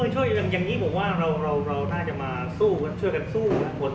ช่วยอย่างนี้ผมว่าเราน่าจะมาช่วยกันสู้